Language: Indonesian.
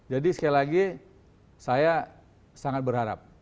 jadi sekali lagi saya sangat berharap